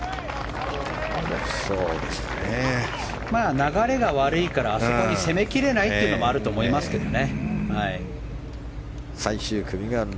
流れが悪いからあそこに攻めきれないというのもあると思いますけどね。